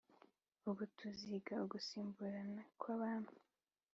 ubu tuziga ugusimburana kwabami